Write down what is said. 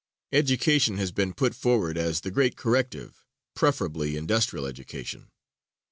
Education has been put forward as the great corrective preferably industrial education.